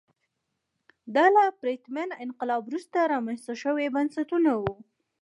دا له پرتمین انقلاب وروسته رامنځته شوي بنسټونه وو.